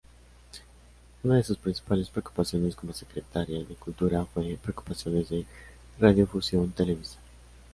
Una de sus principales preocupaciones como secretaria de Cultura fue preocupaciones de radiodifusión televisiva.